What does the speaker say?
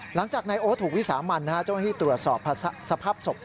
หลังจากนายโอ๊ตถูกวิสามันต้องให้ตรวจสอบสภาพศพ